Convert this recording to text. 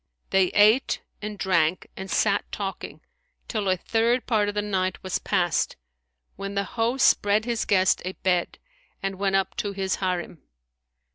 They ate and drank and sat talking, till a third part of the night was past when the host spread his guest a bed and went up to his Harim.